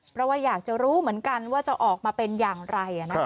เพราะว่าอยากจะรู้เหมือนกันว่าจะออกมาเป็นอย่างไร